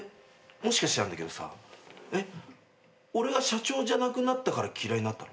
もしかしてなんだけどさ俺が社長じゃなくなったから嫌いになったの？